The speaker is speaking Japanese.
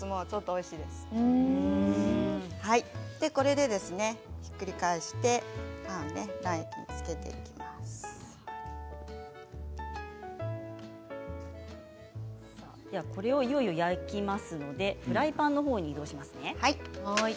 いよいよこれを焼きますのでフライパンのほうに移動しますね。